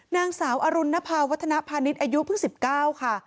นางสาวอรุณนภาววัฒนาพาณิชย์อายุ๑๙ค่ะ